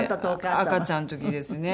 赤ちゃんの時ですね。